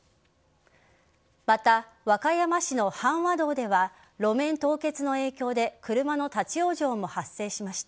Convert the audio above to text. また、和歌山市の阪和道では路面凍結の影響で車の立ち往生も発生しました。